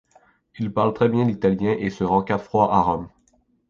Il parle très bien l'italien et se rend quatre fois à Rome.